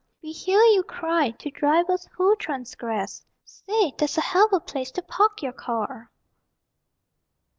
We hear you cry to drivers who transgress: "_Say, that's a helva place to park your car!